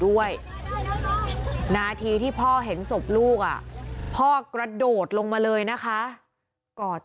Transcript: ด้วยนาทีที่พ่อเห็นศพลูกอ่ะพ่อกระโดดลงมาเลยนะคะกอด